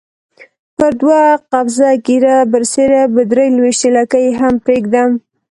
پر دوه قبضه ږیره برسېره به درې لويشتې لکۍ هم پرېږدم.